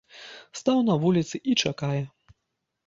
Стаў на вуліцы і чакае.